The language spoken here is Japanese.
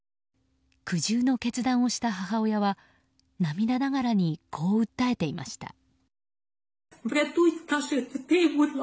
苦渋の決断をした母親は涙ながらにこう訴えていました。